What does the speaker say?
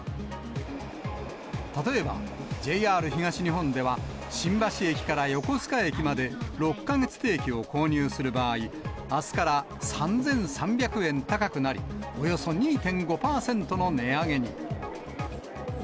例えば、ＪＲ東日本では新橋駅から横須賀駅まで６か月定期を購入する場合、あすから３３００円高くなり、およそ２．５％の値上げに。